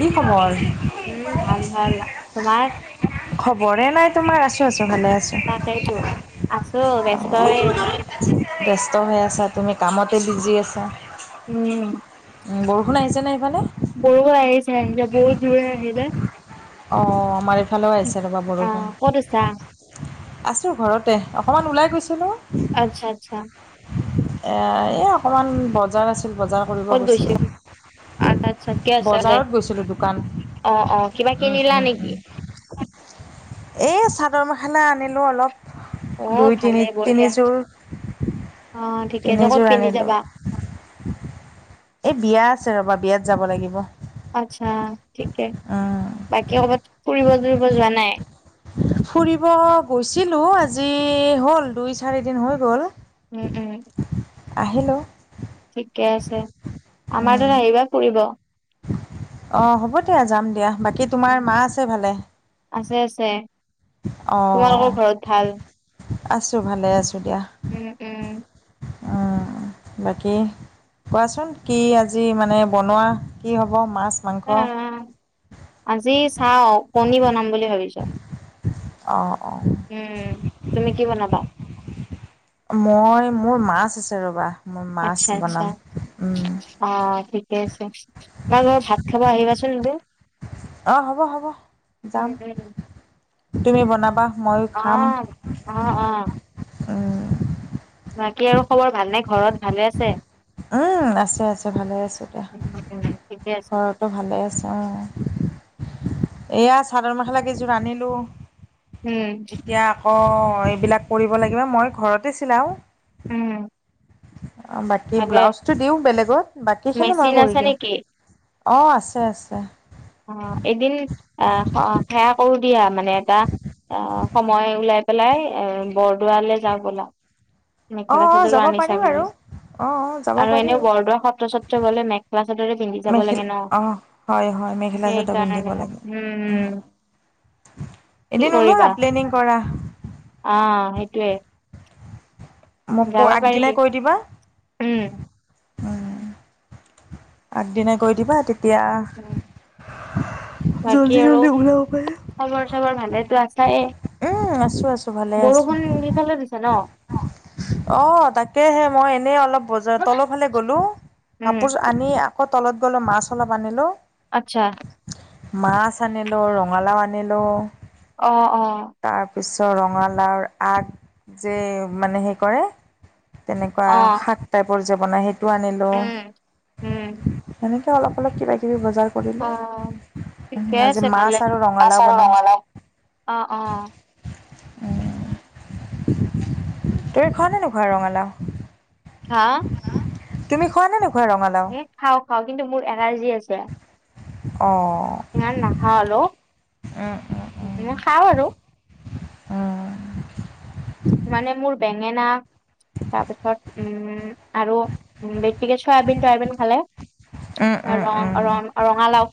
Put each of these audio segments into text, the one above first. কি খবৰ উম ভাল ভাল তোমাৰ? খবৰে নাই তোমাৰ আছো আছো ভালে আছো। তাকেইতো আছো ব্যস্ত হৈ- ব্যস্ত হৈ আছা তুমি কামতে বিজি আছা। উম উম, বৰষুণ আহিছেনে সেইফালে? বৰষুণ আহিছে বহুত জোৰে আহিলে। অ আমাৰ এইফালেও আহিছে ৰ'বা বৰষুণ, অ', ক'ত আছা? আছোঁ ঘৰতে অকণমান ওলাই গৈছো। আচ্ছা আচ্ছা। এ এই অকমান বজাৰ আছিল বজাৰ ফুৰিব ক'ত গৈছিলা? গৈছিলো আচ্ছা আচ্ছা বজাৰত গৈছিলোঁ দোকান অঁ অঁ কিবা উম, কিনিলা উম, উম। নেকি? এই চাদৰ মেখেলা আনিলোঁ অলপ অ', দুই ভালে তিনি বঢ়িয়া তিনিযোৰ অ অ ঠিক আছে ক'ত পিন্ধি যাবা। এই বিয়া আছে ৰ'বা বিয়াত যাব লাগিব আচ্ছা ঠিক অ বাকী কৰ'বাত ফুৰিব চুৰিব যোৱা নাই ফুৰিব গৈছিলো আজি হ'ল দুই চাৰি দিন হৈ গ'ল। উম, উম, আহিলো। ঠিকে আছে আমাৰ উম, তাত আহিবা ফুৰিব। অঁ হ'ব দিয়া যাম দিয়া বাকী। তোমাৰ মা আছে ভালে আছে আছে অ তোমালোকৰ ঘৰত ভাল? আছোঁ ভালে আছো দিয়া। উম উম, অ বাকী কোৱাচোন কি আজি মানে বনোৱা কি হ'ব মাছ- মাংস? আহ, আজি চাওঁ কণী বনাম বুলি ভাবিছ! অঁ অঁ তুমি কি বনাবা মই মোৰ মাছ আছে ৰবা। মই মাছ আচ্ছা আচ্ছা বনাম উম। অ ঠিকে আছে আমাৰ ঘৰত ভাত খাব আহিবাচোন এদিন। অঁ হ'ব হ'ব উম যাম উম তুমি বনাবা। ময়ো অ খাম অ অ। উম, বাকী আৰু খবৰ ভাল নে ঘৰত ভালে আছে? উম আছে আছে ভালে আছো দিয়া উম উম, ঠিকে আছে ঘৰত। ভালে আছে অ এয়া চাদৰ মেখেলা কেইযোৰ আনিলো। উম এতিয়া আকৌ এইবিলাক কৰিব লাগিব মই ঘৰতে চিলাও। উম। অ বাকী ভালে ব্লাউজটো দিওঁ বেলেগক বাকী খিনি মই মেচিন কৰি আছে দিওঁ। নেকি অঁ আছে আছে। অ এদিন অ সেৱা কৰো দিয়া মানে এটা অ সময় উলাই পেলাই এ বৰদোৱালে যাওঁ বলা। অ', মেখেলা অ', চাদৰো যাব পাৰি আনিচা বাৰু বোলে। অ অ। আৰু পাৰি। এনেও বৰদোৱা সত্ৰ চত্ৰ গলে মেখেলা চাদৰে পিন্ধি যাব লাগে মেখিলা ন। অ', হয় হয় মেখেলা চাদৰ পিন্ধিব সেইকাৰণে লাগে। হুম উম, হুম। এদিন ওলোৱা প্লেনিং কৰা। অ সেইটোৱে। মোক ক যাব পাৰি। [unintelligible] উম। আগদিনাই কৈ দিবা তেতিয়া উম বাকী জল্দি আৰু জল্দি ওলাব পাৰিম। খবৰ চবৰ ভালেতো আছায়ে উম, আছোঁ আছোঁ ভালে বৰষুণ সিফালেও দিছে ন! অ তাকেহে মই এনেই অলপ বজাৰ তলৰফালে গ'লো। উম কাপোৰ আনি আকৌ তলত গ'লো মাছ অলপ আনিলো। আচ্ছা। মাছ আনিলো ৰঙালাও আনিলো অ অ। তাৰপিছত ৰঙালাওৰ আগ যে মানে হেৰি কৰে তেনেকুৱা অ শাক টাইপৰ যে বনায় সেইটো আনিলো উম উম অলপ অলপ কিবা কিবি বজাৰ কৰিলো অ ঠিকে আজি আছে মাছ ভালে আৰু পাচ ৰঙালাও আৰু বনাম ৰঙালাও অ অ। তুমি খোৱা নে নোখোৱা ৰঙালাও? হা! ! তুমি খোৱা নে নোখোৱা ৰঙালাও? খাওঁ খাওঁ কিন্তু মোৰ এলাৰ্জি আছে। অ ইমান নাখাওঁ আৰু উম এনে খাওঁ আৰু। উম মানে মোৰ বেঙেনা তাৰপিছত উম আৰু বেছিকৈ চয়াবিন তয়াবিন খালে উম উম উম আৰু ৰ উম ৰঙালাও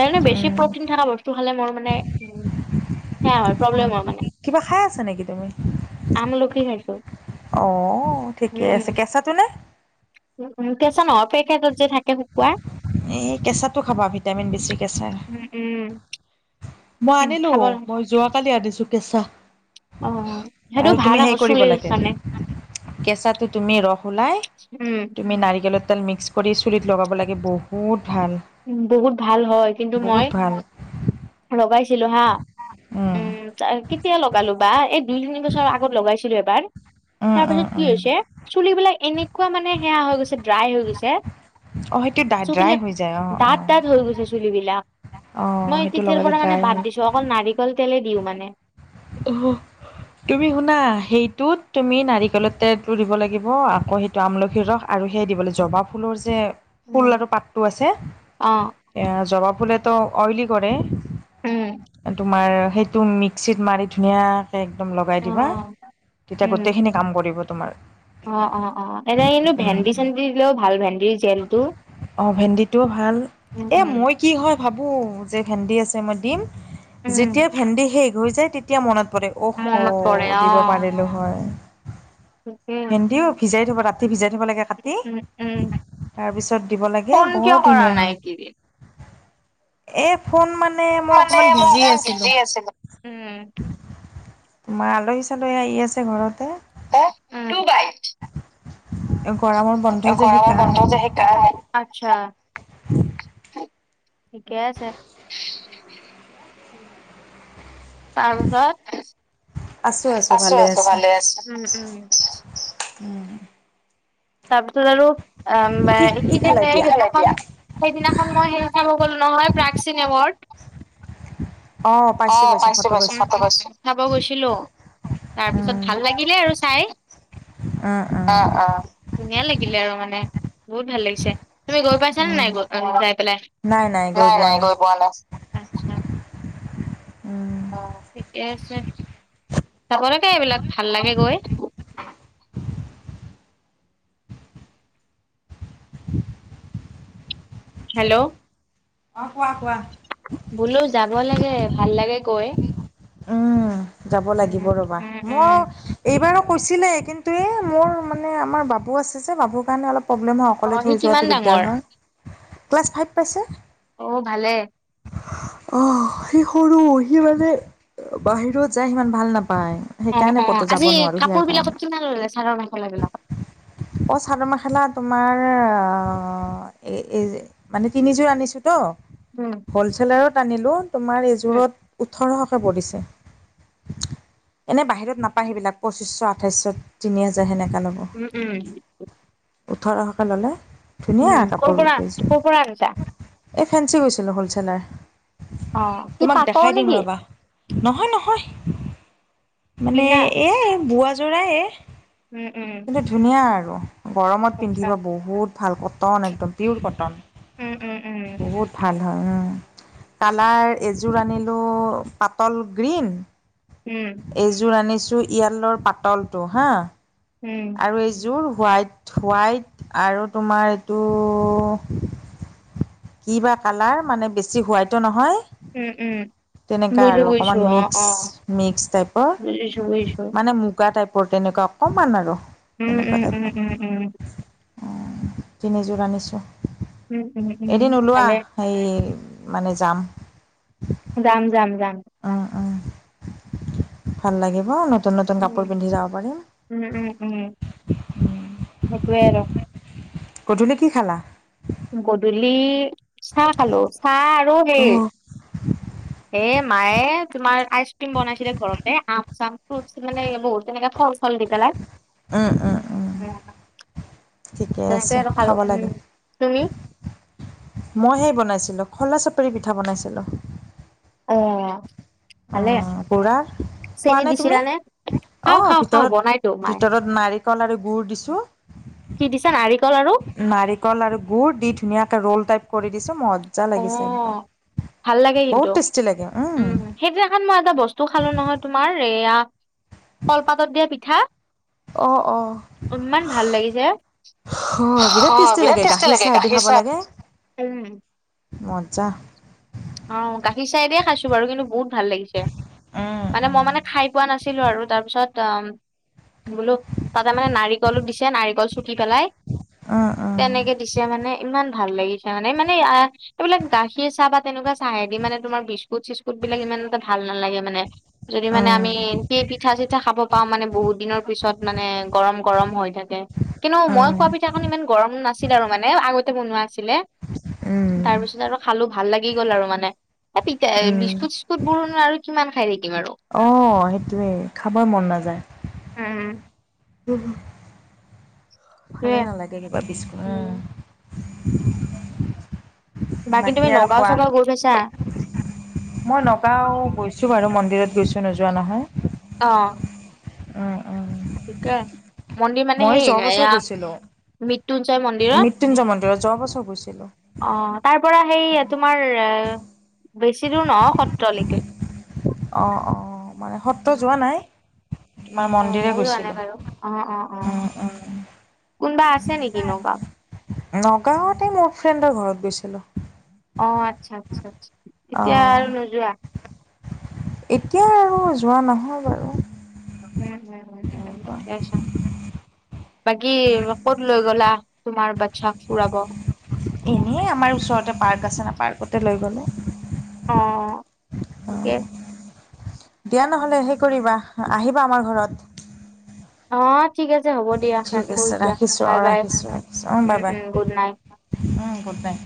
মানেই বেছি উম প্ৰটিন থকা বস্তু খালে মোৰ মানে উম সেয়া হয় প্ৰব্লেম হয় মানে কিবা খাই আছা নেকি তুমি? আমলখি খাইছো। অ ঠিকে আছে কেচাটো নে। উম উম কেচা নহয় পেকেটত যে থাকে শুকুৱা এই কেঁচাটো খাবা ভিটামিন বেচি কেঁচা। উম উম মই উম আনিলো খাব লাগে। মই যোৱাকালি আনিছো কেঁচা। অ সেইটো আৰু ভাল তুমি আকৌ সেই কৰিব চুলিৰ লাগে কাৰণে কেঁচাটো তুমি ৰস ওলাই উম তুমি নাৰিকলৰ তেল মিক্স কৰি চুলিত লগাব লাগে বহুত ভাল উম বহুত ভাল হয় কিন্তু মই বহুত ভাল লগাইছিলো হা উম কেতিয়া লগালো বা এই দুই তিনি বছৰ আগত লগাইছিলো এবাৰ উম তাৰ উম পাছত কি উম। হৈছে চুলিবিলাক এনেকোৱা মানে সেয়া হৈ গৈছে ড্ৰাই হৈ গৈছে অ সেইটো ডা ড্ৰাই চুলিবিলাক হৈ যায় অ অ দাঠ দাঠ হৈ গৈছে চুলিবিলাক। অ মই সেইটো তেতিয়াৰ লগালে পৰা মানে ড্ৰাই বাদ হয়। দিছো অকল নাৰিকল তেলেই দিওঁ মানে। অহ তুমি শুনা সেইটোত তুমি নাৰিকলৰ তেলটো দিব লাগিব আকৌ সেই আমলখিৰ ৰস আৰু সেই দিবলৈ জবা ফুলৰ যে ফুল আৰু পাতটো আছে অ এ জবা ফুলেতো অইলি কৰে উম তোমাৰ সেইটো মিক্সিত মাৰি ধুনীয়াকে একদম লগাই অ দিবা তেতিয়া উম গোটেইখিনি কাম কৰিব তোমাৰ অ অ অ এনেই নো উম, ভেন্দি চেন্দি দিও ভাল ভেন্দিৰ জেল টো অ ভেন্দিটোও ভাল এই মই কি হয় ভাবোঁ যে ভেন্দি আছে মই দিম। উম যেতিয়া ভেন্দি শেষ হৈ যায় তেতিয়া মনত পৰে অ হ মনত পৰে দিব পাৰিলো হয় সে [unintelligible] ভেন্দিও ভিজাই থব ৰাতি ভিজাই থব লাগে উম কাটি উম উম তাৰপিছত দিব লাগে ফোন বৰ কিয় কৰা ধুনীয়া নাই হয়। একেইদিন। এই ফোন মানে মই মানে অকণমান মই বিজি অকমান আছিলো। উম তোমাৰ আলহী চালহী আহি আছে ঘৰতে এ উম টো বাই গৰম গৰমৰ বন্ধ যে সেইকাৰণে আচ্ছা [unintelligible] ঠিকে আছে। তাৰ আছোঁ পিছত আছোঁ আছো আছো আছোঁ ভালে আছো উম উম তাৰপিছত আৰু আ কি কি খালা এতিয়া? [unintelligible] সেইদিনাখন মই হেৰি চাব গলো নহয় প্ৰাক্ চিন এৱৰড। অ পাইছোঁ পাইছোঁ পাইছো ফটো পাইছোঁ পাইছো চাব গৈছিলো। তাৰপিছত ভাল লাগিলে আৰু চাই। অ অ ধুনীয়া লাগিলে আৰু মানে বহুত ভাল লাগিছে তুমি গ পাইছা নে উম। নাই গৈ পান যাই পেলাই নাই নাই গৈ পোৱা নাই। আচ্ছা উম। অ ঠিকে আছে। চাবৰতে এইবিলাক ভাল লাগে গৈ। হেল্ল' অ কোৱা কোৱা বোলো যাব লাগে ভাল লাগে গৈ। উম যাব উম লাগিব ৰবা উম মও উম এইবাৰো কৈছিলে কিন্তু এই মোৰ মানে আমাৰ বাবু আছে যে বাবুৰ কাৰণে অলপ প্ৰব্লেম হয় অকলে অ সি থৈ কিমান যোৱাটো দিগদাৰ ডাঙৰ হয় ক্লাছ ফাইভ পাইছে। মোৰো ভালে। অ সি সৰু সি মানে বাহিৰত যায় সিমান ভাল নাপায়। অ সেইকাৰণে অ ক'তো যাব আজি নোৱাৰোঁ কাপোৰ বিলাকত কিমান ললে চাদৰ মেখলা বিলাকত অঁ চাদৰ মেখেলা তোমাৰ অ এ এই যে মানে তিনিযোৰ আনিছো ত উম হ'লচেলাৰত আনিলোঁ তোমাৰ এযোৰত ওঠৰশকে পৰিছে। এনেই বাহিৰত নাপায় সেইবিলাক পঁচিছশ, আঠাইছশ, তিনি হাজাৰ সেনেকা ল'ব। উম উম ওঠৰশকে ললে ধুনীয়া উম কৰ পৰা কাপোৰোও কৰ পৰা আনিছা [unintelligible] এই ফেঞ্চি গৈছিলো অ হ'লচেলাৰ কি তোমাক পাটৰ দেখাই দিম নেকি ৰবা। নহয় নহয় মানে কিনা এ য়াই বোৱা যোৰে উম উম ধুনীয়া আৰু গৰমত আচ্ছা পিন্ধিব বহুত ভাল কটন একদম পিয়ৰ উম উম উম কটন বহুত ভাল হয় ন কালাৰ এযোৰ আনিলোঁ পাতল গ্ৰীণ উম এইযোৰ আনিছোঁ ইয়েলৰ পাতলটো হাঁ উম আৰু এইযোৰ হোৱাইট হোৱাইট আৰু তোমাৰ এইটো কি বা কালাৰ মানে বেছি হোৱাইটো নহয় উম উম তেনেকা আৰু বুজিছো বুজিছো অকণমান অ অ মিক্স মিক্স বুজিছো টাইপৰ বুজিছো মানে মু- গা টাইপৰ তেনেকুৱা অকণমান আৰু উম তেনেকুৱা উম উম টাইপৰ। উম উম অ তিনিযোৰ আনিছোঁ। উম উম উম এদিন ওলোৱা ভালে সেয়ি মানে যাম যাম যাম যাম। অ অ অ ভাল লাগিব নতুন নতুন উম কাপোৰ পিন্ধি যাব পাৰিম। উম উম উম সেইটোয়ে আৰু। গধূলি কি খালা? গধূলি চাহ খালো, চাহ আৰু সেই এ মায়ে তুমাৰ আইচ ক্ৰীম বনাইছিলে ঘৰতে আম চাম ফ্ৰুটচ মানে এইবোৰ তেনেকে ফলচ ফল দি পেলাই উম, উম, উম, ঠিকে উ আছে তেনেকে ত খালো খাব উ লাগে তুমি মই হে বনাইছিলো খলা, চাপাৰী পিঠা বনাইছিলো। অ খালে অ', গুড়াৰ খোৱা চেনীত তুমি দিছিলৰা নে খাওঁ অঁ খাওঁ খাওঁ ভিতৰত বনাইতো মায়ে- ভিতৰত নাৰিকল আৰু গুড় দিছোঁ। কি দিছো নাৰিকল আৰু নাৰিকল, আৰু গুড়, দি ধুনীয়াকৈ ৰোল টাইপ কৰি দিছোঁ মই- মজা অ লাগিছে একদম ভাল লাগে কিন্তু বহুত টেষ্টি লাগে উম সেইদিনাখন মই এটা বস্তু খালো নহয়। তোমাৰ এয়া কলপাতত, দিয়া পিঠা অঁ অঁ ইমান ভাল লাগিছে। অ বিৰাট টেষ্টি লাগে গাখীৰ চাহদি খাব লাগে উম মজা অ গাখীৰ চাই দিয়ে খাইছো বাৰু কিন্তু বহুত ভাল লাগিছে উম মানে উম। মই মানে খাই পোৱা নাছিলো আৰু তাৰ পিছত- অ বোলো তাতে মানে নাৰিকলো দিছে নাৰিকল চুকি পেলাই। অ অ তেনেকে দিছে মানে ইমান ভাল লাগিছে মানে মানে এইবিলাক গাখীৰ চাহপাত, তেনেকুৱা চাহেদি মানে তোমাৰ বিস্কুট চি্ুট বিলাক ই এটা ভাল নালাগে মানে যদি মানে আমি উম সেই পিঠা চিঠা খাব পাওঁ মানে বহুত দিনৰ পিছত মানে গৰম গৰম হৈ থাকে। কিন্তু মই উম কোৱা পিঠা ইমান গৰম নাছিল আৰু মানে আগতে বনোৱা আছিলে তাৰপিছত আৰু খালো ভাল লাগিল। লাগি গল আৰু মানে প- উম বিস্কুট চিস্কুট বোৰ আৰু কিমান খাই থাকিম আৰু অ সেইটোৱেই খাবৰ মন নাযায়। উ ভালে নালাগে কিবা বিছু উ [inaudible] উম, বাকী তুমি নগাঁও চগাঁও গৈ পাইছা। মই নগাঁও গৈছোঁ বাৰু মন্দিৰত, গৈছোঁ নোযোৱা নহয় অ উম উম ঠিকেই মন্দিৰ মানে মই সেই যোৱা বছৰ এয়া গৈছিলো মৃত্যুঞ্জয় মন্দিৰত মৃত্যুঞ্জয় মন্দিৰত যোৱা বছৰ গৈছিলো। অ তাৰ পৰা সেই তোমাৰ এ বেছি দূৰ নহ সত্ৰলৈকে অ অ মানে সত্ৰ যোৱা নাই তোমাৰ অ মন্দিৰে ময়ো যোৱা নাই গৈছিলোঁ। বাৰু অ অ অ কোনোবা আছে নেকি নগওত নগাঁৱতে মোৰ ফ্ৰেণ্ডৰ ঘৰত গৈছিলো। অ আচ্ছা আচ্ছা আচ্ছা। এতিয়া অঁ আৰু নোযোৱা এতিয়া আৰু যোৱা নহয় বাৰু- উম উম উম উ তেনেকুৱা সছা বাকী ক'ত লৈ গলা তোমাৰ বাচ্ছাক ফুৰাব এনেইে আমাৰ ওচৰতে পাৰ্ক আছে ন পাৰ্কতে লৈ গ'লে অ অ ঠিকে দিয়া নহলে হেই কৰিবা আহিবা আমাৰ ঘৰত অ ঠিক আছে হ'ব দিয়া ঠিক ৰাখো আছে এতিয়া ৰাখিছোঁ বাই অঁ bye uh um good night um good night